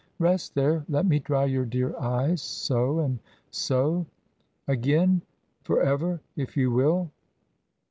Rest there, let me dry your dear eyes so and so. Again? For ever, if you will.